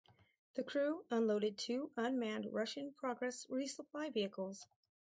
The crew unloaded two unmanned Russian Progress resupply vehicles.